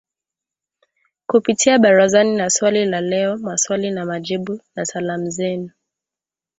kupitia Barazani na Swali la Leo Maswali na Majibu na Salamu Zenu